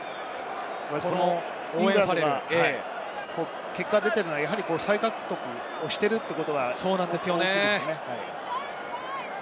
イングランドの結果が出ているのは再獲得をしているというのが大きいですね。